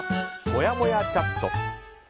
もやもやチャット。